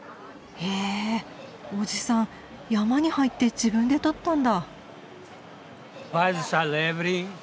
へえおじさん山に入って自分でとったんだ。